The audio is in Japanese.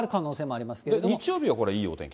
日曜日はこれ、いいお天気？